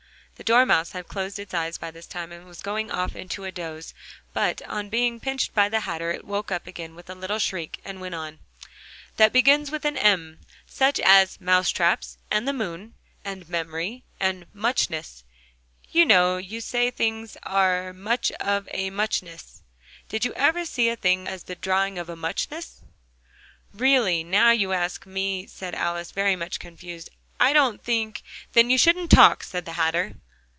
The Dormouse had closed its eyes by this time, and was going off into a doze, but, on being pinched by the Hatter, it woke up again with a little shriek, and went on, " that begins with an M, such as mouse traps, and the moon, and memory, and muchness you know you say things are 'much of a muchness' did you ever see such a thing as a drawing of a muchness?" "Really, now you ask me," said Alice, very much confused, "I don't think " "Then you shouldn't talk," said the Hatter.